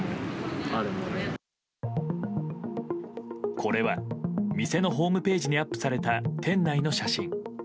これは、店のホームページにアップされた店内の写真。